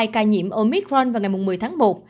hai ca nhiễm omitron vào ngày một mươi tháng một